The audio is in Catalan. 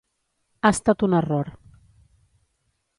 Ha estat un error.